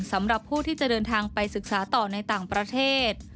สำหรับผู้ที่จะเดินทางไปศึกษาต่อในต่างประเทศ